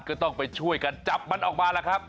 ก็ต้องไปช่วยกันจับมันออกมาล่ะครับ